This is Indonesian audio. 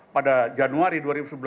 pada januari dua ribu sebelas